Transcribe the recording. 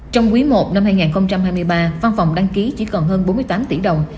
trong quý i năm hai nghìn hai mươi ba văn phòng đăng ký chỉ còn hơn bốn mươi tám tỷ đồng